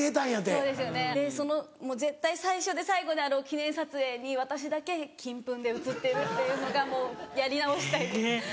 そうですよねでその絶対最初で最後であろう記念撮影に私だけ金粉で写ってるっていうのがもうやり直したいです。